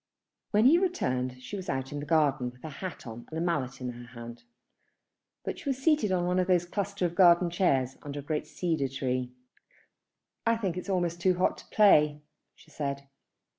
When he returned she was out in the garden with her hat on and a mallet in her hand; but she was seated on one of a cluster of garden chairs under a great cedar tree. "I think it's almost too hot to play," she said.